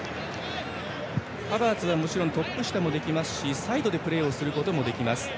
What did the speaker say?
ハバーツはトップ下もできますしサイドでプレーすることもできます。